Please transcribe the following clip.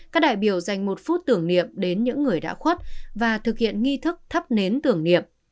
các đại biểu dành một phút tưởng niệm đến những người đã khuất và thực hiện nghi thức thắp nến tưởng niệm